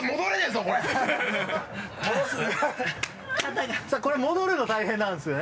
そうこれ戻るの大変なんですよね。